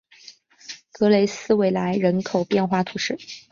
格雷斯维莱人口变化图示